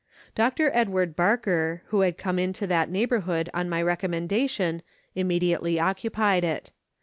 Dr. Edward Barker, who had come into that neighbourhood on my recommenda tion, immediately occupied it.